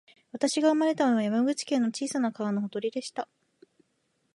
私が生まれたのは、山口県の小さな川のほとりでした